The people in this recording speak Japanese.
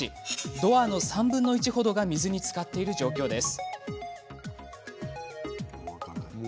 ドアの３分の１ほどが水につかっている状況です。